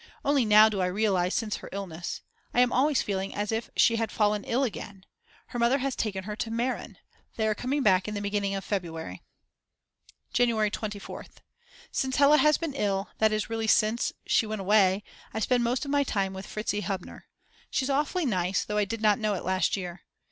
Only now do I realise, since her illness. I am always feeling as if she had fallen ill again. Her mother has taken her to Meran, they are coming back in the beginning of February. January 24th. Since Hella has been ill, that is really since, she went away, I spend most of my time with Fritzi Hubner. She's awfully nice, though I did not know it last year.